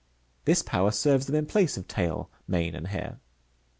This power serves them in place of tail, mane, and hair.